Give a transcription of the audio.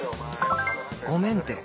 「ごめんって！